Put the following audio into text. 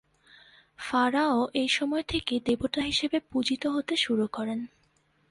Pharaoh এইসময় থেকেই দেবতা হিসেবে পূজিত হতে শুরু করেন।